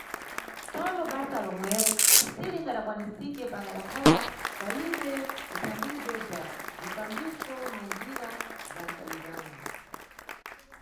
Tsono basa lomwero si lingadakwanisike pangadakhala palibe bzithandizo bza bzifambiso na njira za mtawizano.